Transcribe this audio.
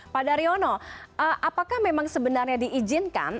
pak daryono apakah memang sebenarnya diizinkan